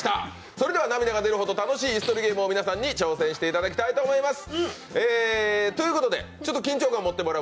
それでは涙が出るほど楽しい椅子取りゲームを皆さんに挑戦していただきたいと思います。